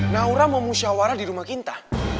naura mau musyawarah di rumah kita